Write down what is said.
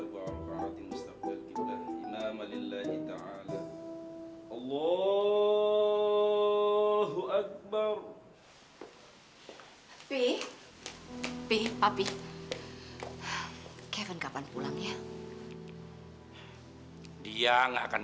sampai jumpa di video selanjutnya